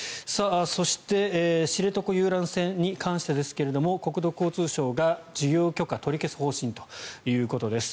そして知床遊覧船に関してですが国土交通省が事業許可を取り消す方針ということです。